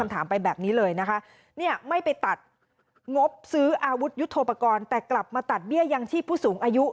แต่กลับมาตัดเบี้ยยามที่ผู้สูงอายุ